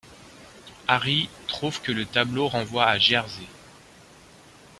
Ari trouve que le tableau renvoie à Jersey.